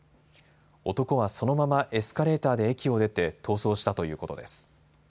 男はそのままエスカレーターで駅を出て逃走したということです。